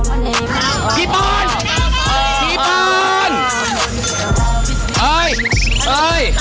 เปิดตัวหน่อย